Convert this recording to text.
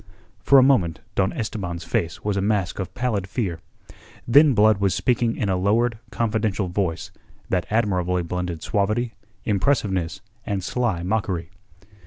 For a moment Don Esteban's face was a mask of pallid fear. Then Blood was speaking in a lowered, confidential voice that admirably blended suavity, impressiveness, and sly mockery.